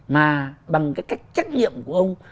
mà bằng cách trách nhiệm của ông